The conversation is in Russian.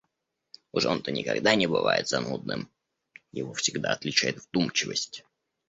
Уж он-то никогда не бывает занудным — его всегда отличает вдумчивость.